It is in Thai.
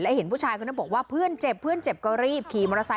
และเห็นผู้ชายบอกว่าเพื่อนเจ็บเพื่อนเจ็บก็รีบ